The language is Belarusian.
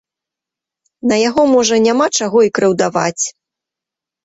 На яго, можа, няма чаго і крыўдаваць.